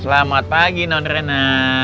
selamat pagi nondrena